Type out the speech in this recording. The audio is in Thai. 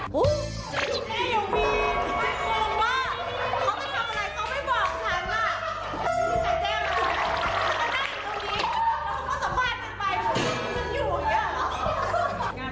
หิวหิว